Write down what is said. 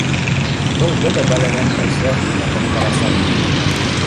Был бөтә бәләнән Әшрәф кенә ҡотҡарасаҡ